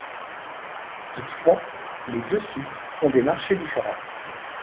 Toutefois, les deux sites ont des marchés différents.